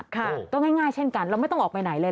ก็ง่ายเช่นกันเราไม่ต้องออกไปไหนเลย